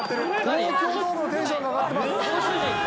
東京ドームのテンション上がってます。